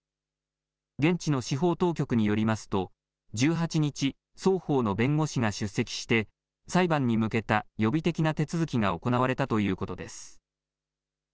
現地の司法当局によりますと１８日、双方の弁護士が出席して裁判に向けた予備的な手続きが行われたということです。